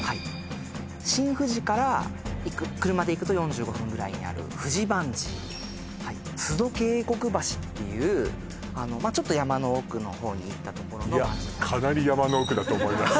新富士から車で行くと４５分ぐらいにある富士バンジー須津渓谷橋っていうちょっと山の奥のほうに行った所かなり山の奥だと思います